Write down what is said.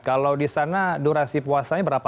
kalau di sana durasi puasanya berapa